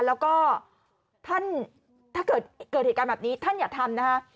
แล้วก็ท่านถ้าเกิดเกิดเหตุการณ์แบบนี้ท่านอย่าทำนะคะ